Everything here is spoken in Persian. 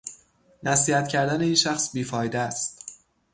نصیحت کردن این شخص بیفایده است